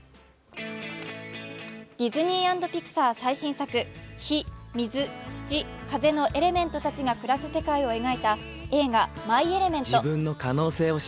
ディズニーアンドピクサー最新作火・水・土・風のエレメントたちが暮らす世界を描いた映画「マイ・エレメント」。